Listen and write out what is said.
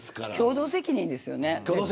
共同責任ですよね。